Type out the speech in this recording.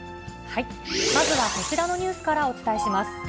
まずはこちらのニュースからお伝えします。